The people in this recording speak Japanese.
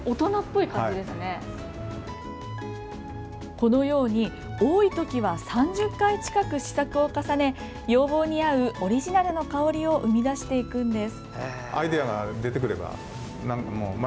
このように多いときは３０回近く試作を重ね要望に合うオリジナルの香りを生み出していくんです。